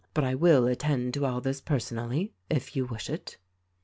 But I will attend to all this personally, if you wish it."